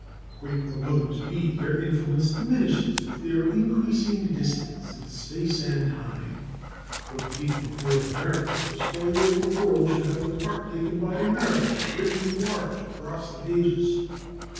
Great though others be, their influence diminishes with their increasing distance in space and time. For the people of North America the story of the world should have the part taken by America written large across the pages.